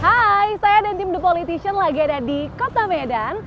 hai saya dan tim the politician lagi ada di kota medan